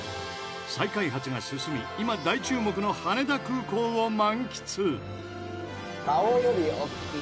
再開発が進み今大注目の羽田空港を満喫。